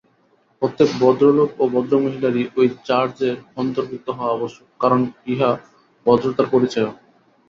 প্রত্যেক ভদ্রলোক ও ভদ্রমহিলারই ঐ চার্চের অন্তর্ভুক্ত হওয়া আবশ্যক, কারণ উহা ভদ্রতার পরিচায়ক।